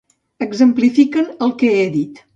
Exemplifiquen el que he dit.